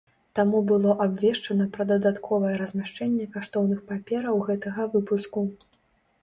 Таму было абвешчана пра дадатковае размяшчэнне каштоўных папераў гэтага выпуску.